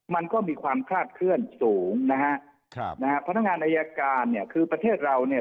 มันก็มีความคลาดเคลื่อนสูงนะฮะครับนะฮะพนักงานอายการเนี่ยคือประเทศเราเนี่ย